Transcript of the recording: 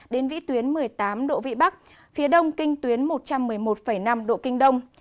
đến vĩ tuyến một mươi tám độ vị bắc phía đông kinh tuyến một trăm một mươi một năm độ kinh đông